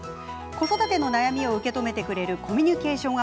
子育ての悩みを受け止めてくれるコミュニケーション